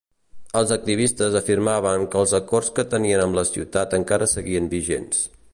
Els activistes afirmaven que els acords que tenien amb la ciutat encara seguien vigents.